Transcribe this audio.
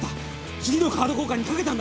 次のカード交換に懸けたんだ。